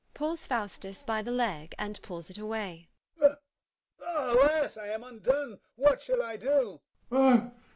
[Pulls FAUSTUS by the leg, and pulls it away.] Alas, I am undone! what shall I do? FAUSTUS.